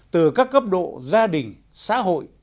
từ các cấp độ gia đình xã hội